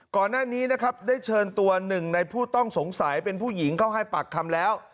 ก่อนหน้านี้นะครับได้เชิญตัวหนึ่งในผู้ต้องสงสัยเป็นผู้หญิงเข้าให้ปากคำแล้ว